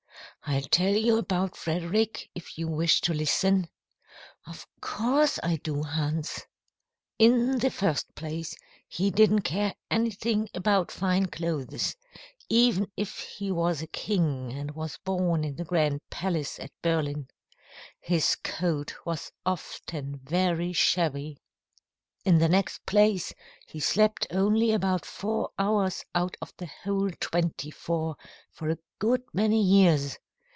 "I'll tell you about Frederick, if you wish to listen." "Of course I do, Hans." "In the first place, he didn't care anything about fine clothes, even if he was a king and was born in the grand palace at Berlin. His coat was often very shabby. "In the next place, he slept only about four hours out of the whole twenty four for a good many years.